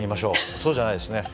そうじゃないですね。